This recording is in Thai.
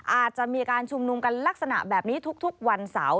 อาจจะมีการชุมนุมกันลักษณะแบบนี้ทุกวันเสาร์